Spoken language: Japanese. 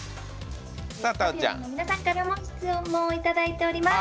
皆さんからも質問をいただいております。